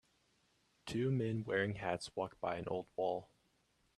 Two men wearing hats walk by an old wall.